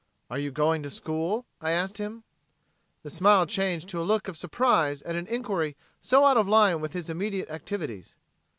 "Are you going to school?" I asked him. The smile changed to a look of surprize at an inquiry so out of line with his immediate activities.